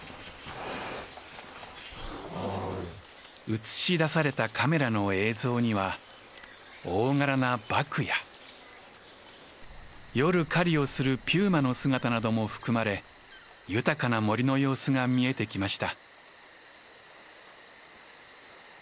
映し出されたカメラの映像には大柄なバクや夜狩りをするピューマの姿なども含まれ豊かな森の様子が見えてきました。